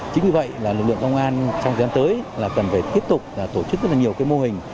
chính vì vậy lực lượng công an trong thời gian tới cần phải tiếp tục tổ chức rất nhiều mô hình